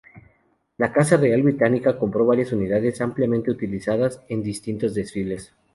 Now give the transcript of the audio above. La Casa Real Británica compró varias unidades, ampliamente utilizadas en distintos desfiles.